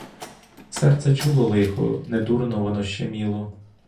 Серце чуло лихо, недурно воно щеміло!